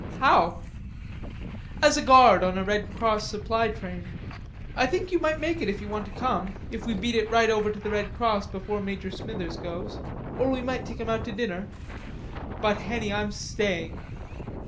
"How?" "As guard on a Red Cross supply train. I think you might make it if you want to come, if we beat it right over to the Red Cross before Major Smithers goes. Or we might take him out to dinner." "But, Henny, I'm staying."